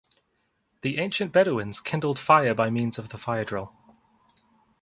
The ancient Bedouins kindled fire by means of the fire-drill.